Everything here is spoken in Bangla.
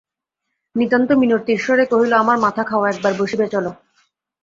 নিতান্ত মিনতির স্বরে কহিল, আমার মাথা খাও, একবার বসিবে চলো।